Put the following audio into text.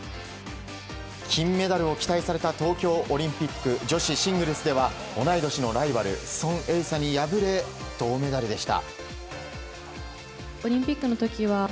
金メダルを期待された東京オリンピック女子シングルスでは同い年のライバルソン・エイサに敗れ銅メダルでした。